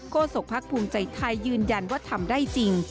โศกพักภูมิใจไทยยืนยันว่าทำได้จริง